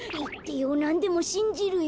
なんでもしんじるよ。